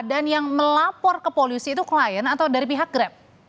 dan yang melapor ke polusi itu klien atau dari pihak grab